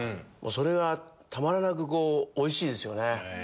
それがたまらなくおいしいですよね。